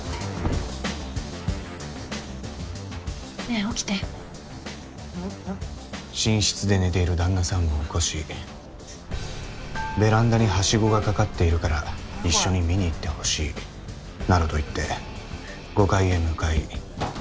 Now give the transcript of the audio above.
ねえ起きて寝室で寝ている旦那さんを起こしベランダにハシゴが掛かっているから一緒に見に行って欲しいなどと言って５階へ向かい。